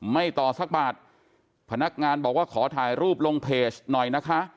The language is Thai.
ไม่ต่อสักบาทพนักงานบอกว่าขอถ่ายรูปลงเพจหน่อยนะคะ